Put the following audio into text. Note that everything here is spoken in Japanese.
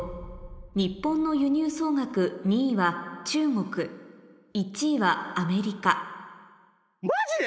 日本の輸入総額２位は中国１位はアメリカマジで？